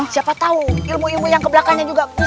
siapa tahu ilmu ilmu yang kebelakangnya juga bisa sempurna